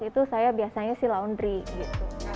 itu saya biasanya sih laundry gitu